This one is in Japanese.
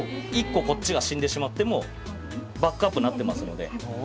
１個、こっちが死んでしまっても、バックアップになってますので。